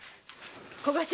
小頭。